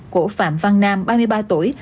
của phạm văn nam ba mươi ba tuổi